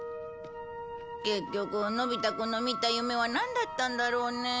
結局のび太くんの見た夢はなんだったんだろうね？